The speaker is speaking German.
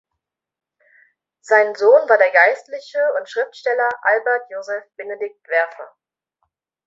Sein Sohn war der Geistliche und Schriftsteller Albert Josef Benedikt Werfer.